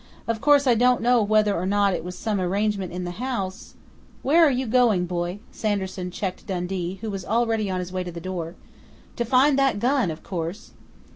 Of course I don't know whether or not it was some 'arrangement' in the house " "Where are you going, boy?" Sanderson checked Dundee, who was already on his way to the door. "To find that gun, of course!"